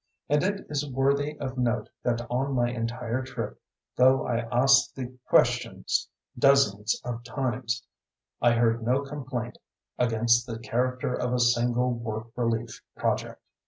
And it is worthy of note that on my entire trip, though I asked the question dozens of times, I heard no complaint against the character of a single work relief project.